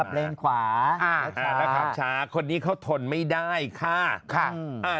ขับเร่งขวาแล้วขับช้าคนนี้เขาทนไม่ได้ค่ะ